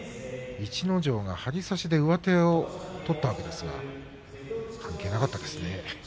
逸ノ城が張り差しで上手を取ったわけですが関係なかったですね。